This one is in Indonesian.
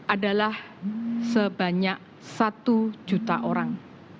adalah sebanyak satu juta orang